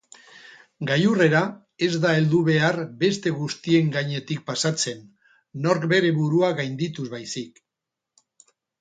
Gailurrera ez da heldu behar beste guztien gainetik pasatzen, nork bere burua gaindituz baizik.